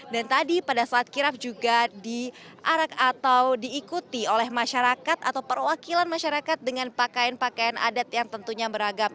dan tadi pada saat kirap juga diarak atau diikuti oleh masyarakat atau perwakilan masyarakat dengan pakaian pakaian adat yang tentunya beragam